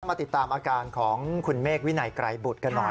มาติดตามอาการของคุณเมฆวินัยไกรบุตรกันหน่อย